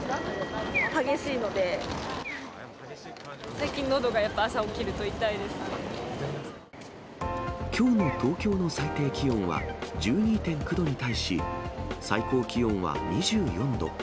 最近のどがやっぱり、きょうの東京の最低気温は１２．９度に対し、最高気温は２４度。